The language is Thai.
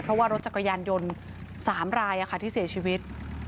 เพราะว่ารถจักรยานยนต์๓รายที่เสียชีวิต